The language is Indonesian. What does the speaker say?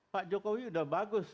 pak jokowi sudah bagus